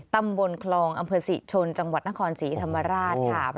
ตำบลคลองอำเภอศรีชนจังหวัดนครศรีธรรมราชค่ะ